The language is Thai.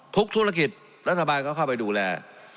ทุกธุรกิจรัฐบาลเขาเข้าไปดูแล